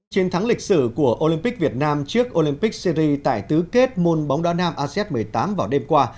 chiến thắng lịch sử của olympic việt nam trước olympic series tại tứ kết môn bóng đá nam asean một mươi tám vào đêm qua